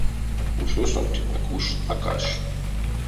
Ушосонть а куш а каш.